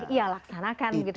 iya laksanakan gitu ya